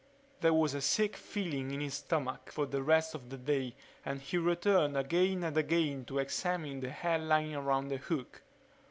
There was a sick feeling in his stomach for the rest of the day and he returned again and again to examine the hairline around the hook.